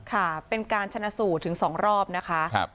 ค่ะเป็นการชนะสูตรถึงสองรอบนะคะครับ